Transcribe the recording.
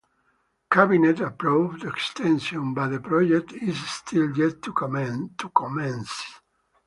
Cabinet approved the extension but the project is still yet to commence.